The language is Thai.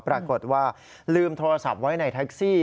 ปรากฏว่าลืมโทรศัพท์ไว้ในแท็กซี่